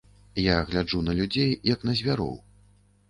Я гляджу на людзей, як на звяроў.